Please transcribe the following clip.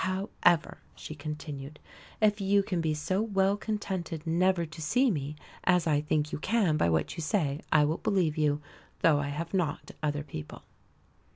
However," she continued, "if you can be so well contented never to see me, as I think you can by what you say, I will believe you, though I have not other people."